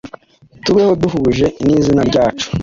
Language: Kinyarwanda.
Tubeho duhuwje n’ izina ryacu